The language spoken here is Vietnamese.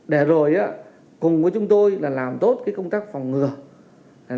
để rồi cùng với chúng tôi làm tốt công tác phòng ngừa